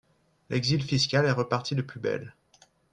L’exil fiscal est reparti de plus belle.